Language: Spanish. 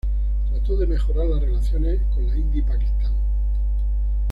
Trató de mejorar las relaciones con la India y Pakistán.